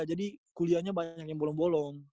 jadi kuliahnya banyak yang bolong bolong